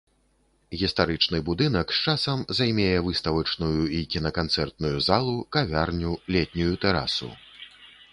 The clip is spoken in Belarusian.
Гістарычны будынак з часам займее выставачную і кінаканцэртную залу, кавярню, летнюю тэрасу.